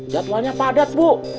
jadwalnya padat bu